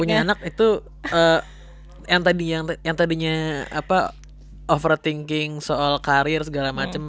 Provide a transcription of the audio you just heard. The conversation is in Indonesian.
punya anak itu yang tadinya overthinking soal karir segala macam